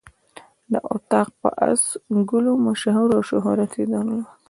دا اطاق په آس ګلو مشهور او شهرت یې درلود.